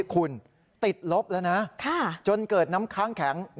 คุณติดลบแล้วนะจนเกิดน้ำค้างแข็ง